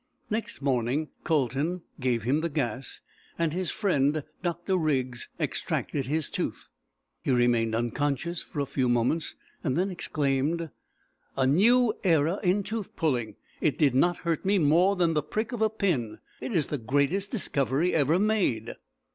Next morning Colton gave him the gas, and his friend Dr. Riggs extracted his tooth. He remained unconscious for a few moments, and then exclaimed, "A new era in tooth pulling! It did not hurt me more than the prick of a pin. It is the greatest discovery ever made."